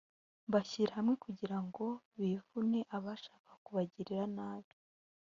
bashyira hamwe kugira ngo bivune abashakaga kubagirira nabi